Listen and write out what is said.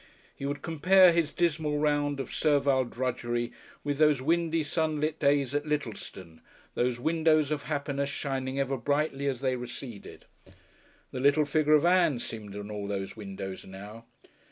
He would compare his dismal round of servile drudgery with those windy, sunlit days at Littlestone, those windows of happiness shining ever brighter as they receded. The little figure of Ann seemed in all these windows now.